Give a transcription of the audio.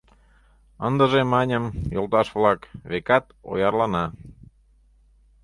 — Ындыже, маньым, йолташ-влак, векат оярлана.